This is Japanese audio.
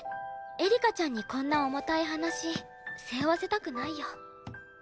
エリカちゃんにこんな重たい話背負わせたくないよ。